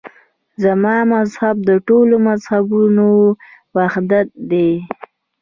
زما مذهب د ټولو مذهبونو وحدت دی.